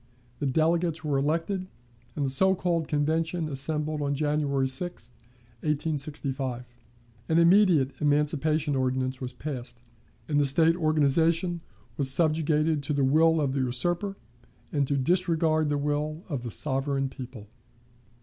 The delegates were elected, and the so called Convention assembled on January 6, 1865. An immediate emancipation ordinance was passed, and the State organization was subjugated to do the will of the usurper and to disregard the will of the sovereign people.